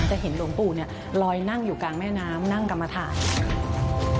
จะเห็นหลวงปู่รอยนั่งอยู่กลางแม่น้ำนั่งกำมาธาตุ